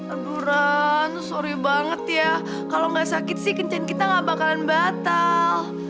aduh ran sorry banget ya kalo gak sakit sih kencan kita gak bakalan batal